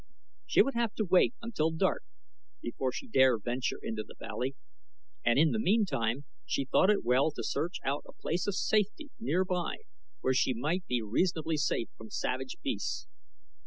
She would have to wait until dark before she dare venture into the valley, and in the meantime she thought it well to search out a place of safety nearby where she might be reasonably safe from savage beasts.